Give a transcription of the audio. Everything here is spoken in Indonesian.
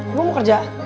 gue mau kerja